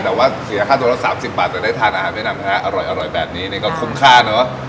แต่ว่าเสียค่าตัวละสามสิบบาทจะได้ทานอาหารแม่นำนะฮะอร่อยอร่อยแบบนี้นี่ก็คุ้มค่าเนอะ